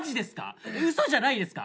「ウソじゃないですか？